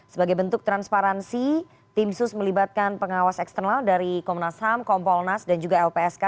sebagai bentuk transparansi tim sus melibatkan pengawas eksternal dari komnas ham kompolnas dan juga lpsk